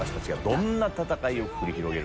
どんな戦いを繰り広げるか。